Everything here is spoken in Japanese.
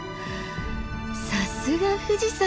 さすが富士山！